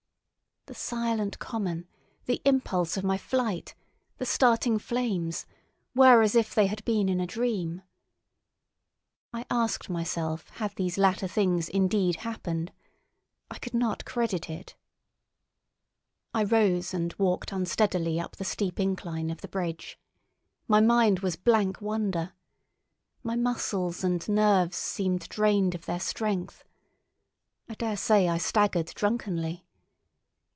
The silent common, the impulse of my flight, the starting flames, were as if they had been in a dream. I asked myself had these latter things indeed happened? I could not credit it. I rose and walked unsteadily up the steep incline of the bridge. My mind was blank wonder. My muscles and nerves seemed drained of their strength. I dare say I staggered drunkenly.